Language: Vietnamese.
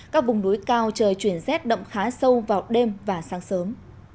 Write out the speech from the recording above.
các vùng núi cao trời chuyển rét đậm khá sâu vào đêm và sáng sớm